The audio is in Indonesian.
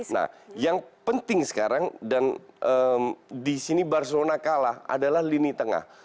nah yang penting sekarang dan di sini barcelona kalah adalah lini tengah